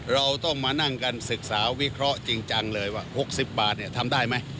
เราต้องมานั่งกันสึกษาวิเคราะห์จริงจังเลยว่า